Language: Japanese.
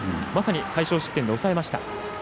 まさに最少失点で抑えました。